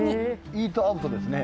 イートアウトですね。